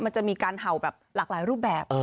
มันจะมีการเห่าแบบหลากหลายรูปแบบ